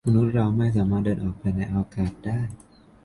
มนุษย์เราไม่สามารถเดินออกไปในอวกาศได้